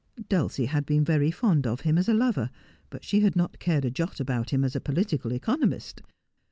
Dulcie had been very fond of him as a lover ; but she had not cared a jot about him as a political economist.